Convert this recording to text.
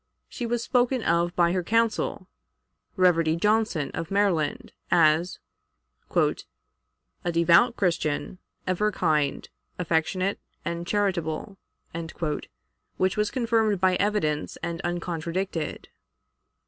She was spoken of by her counsel, Reverdy Johnson, of Maryland, as "a devout Christian, ever kind, affectionate, and charitable," which was confirmed by evidence and uncontradicted.